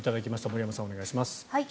森山さん、お願いします。